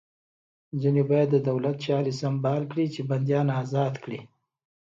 ځینې باید د دولت چارې سمبال کړي چې بندیان ازاد کړي